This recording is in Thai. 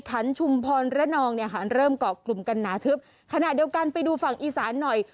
ขันชุมพรระนองเนี่ยค่ะเริ่มเกาะกลุ่มกันหนาทึบขณะเดียวกันไปดูฝั่งอีสานหน่อย